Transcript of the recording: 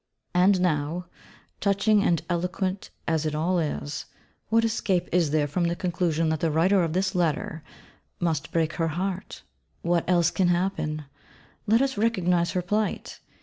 And now, touching and eloquent as it all is, what escape is there from the conclusion that the writer of this letter must break her heart? What else can happen? Let us recognise her plight.